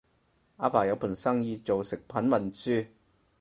阿爸有盤生意做食品運輸